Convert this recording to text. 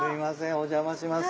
お邪魔します。